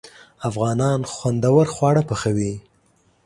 افغانان خوندور خواړه پخوي.